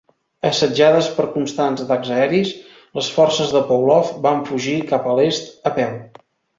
Assetjades per constants atacs aeris, les forces de Pavlov van fugir cap a l'est a peu.